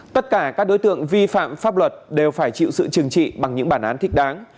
tất cả các đối tượng vi phạm pháp luật đều phải chịu sự trừng trị bằng những bản án thích đáng